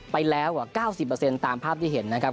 ไปแล้วกว่า๙๐ตามภาพที่เห็นนะครับ